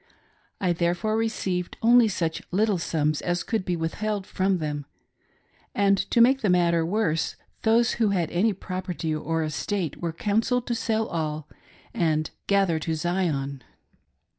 I therefore received only such little sums as could be withheld from them, and to make the matter worse those who had any property or estate were counselled to sell all and "gather to Zipn."